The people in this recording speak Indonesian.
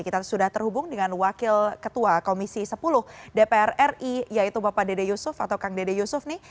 kita sudah terhubung dengan wakil ketua komisi sepuluh dpr ri yaitu bapak dede yusuf atau kang dede yusuf nih